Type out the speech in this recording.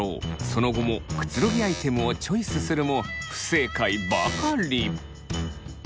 その後もくつろぎアイテムをチョイスするも不正解ばかり。